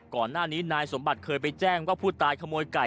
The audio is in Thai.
ก่อนหน้านี้นายสมบัติเคยไปแจ้งว่าผู้ตายขโมยไก่